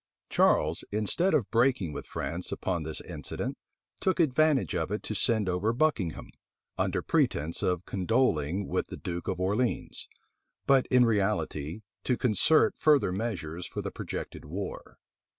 Charles, instead of breaking with France upon this incident, took advantage of it to send over Buckingham, under pretence of condoling with the duke of Orleans, but in reality to concert further measures for the projected war.